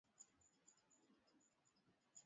ikawa inafika mwisho Kilichonipatia hamasa na nguvu